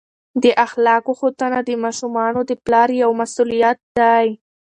د اخلاقو ښودنه د ماشومانو د پلار یوه مسؤلیت دی.